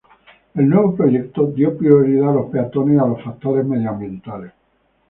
El nuevo proyecto dio prioridad a los peatones y a los factores medioambientales.